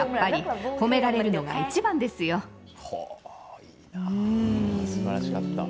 いいな、すばらしかった。